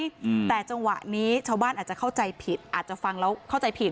อืมแต่จังหวะนี้ชาวบ้านอาจจะเข้าใจผิดอาจจะฟังแล้วเข้าใจผิด